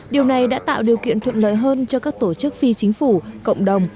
điều này đã tạo điều kiện thuận lợi hơn cho các tổ chức phi chính phủ cộng đồng